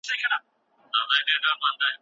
را تاو سوی لکه مار پر خزانه وي